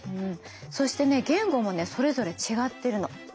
そしてね言語もねそれぞれ違ってるの。